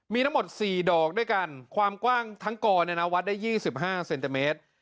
มีทั้งหมด๔ดอกด้วยกันความกว้างทั้งกอวัดได้๒๕เซนติเมตร